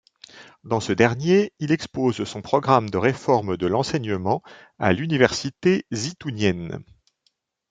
Dans ce dernier, il expose son programme de réforme de l'enseignement à l'université zitounienne.